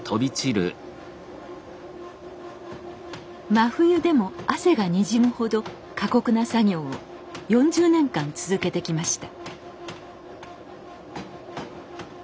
真冬でも汗がにじむほど過酷な作業を４０年間続けてきました。